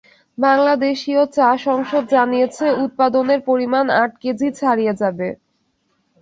বাংলাদেশীয় চা সংসদ জানিয়েছে, উৎপাদনের পরিমাণ আট কোটি কেজি ছাড়িয়ে যাবে।